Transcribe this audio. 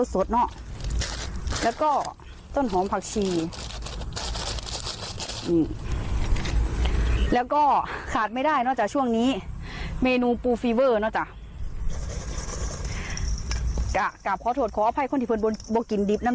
ใส่ลงไปเลยจ้าปูฟีเวอร์เนอะจ้ะช่วงนี้คนจ้า